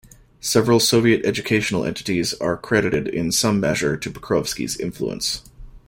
Several Soviet educational entities are credited in some measure to Pokrovsky's influence.